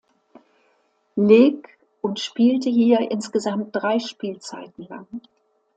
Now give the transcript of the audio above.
Lig und spielte hier insgesamt drei Spielzeiten lang.